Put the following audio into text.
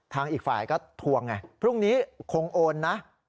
อีกฝ่ายก็ทวงไงพรุ่งนี้คงโอนนะ